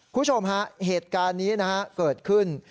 คุณผู้ชมฮะเหตุการณ์นี้นะฮะเกิดขึ้น